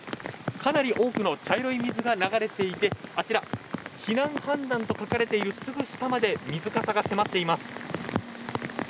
かなり多くの茶色い水が流れていて、あちら、避難判断と書かれているすぐ下まで水かさが迫っています。